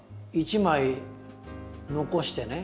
１枚残してね。